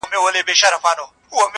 لکه قام وي د ټپوس او د بازانو!.